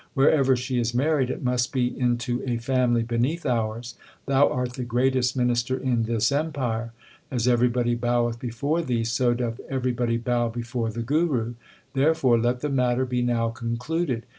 Wherever she is married, it must be into a family beneath ours. Thou art the greatest minister in this empire. As everybody boweth before thee, so doth everybody bow before the Guru. Therefore let the matter be now concluded.